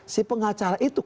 si pengacara itu